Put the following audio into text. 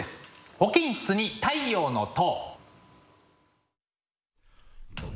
「保健室に太陽の塔」。